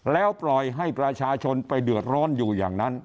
แล้วปล่อยให้ประชาชนไปเดือดร้อนอยู่อย่างนั้น